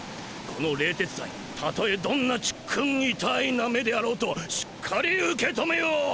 この冷徹斎たとえどんなちっくんいたーいな目であろうとしっかり受けとめよう。